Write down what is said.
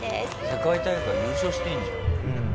世界大会優勝してんじゃん。